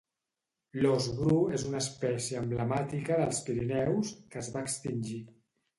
L'ós bru és una espècie emblemàtica dels Pirineus que es va extingir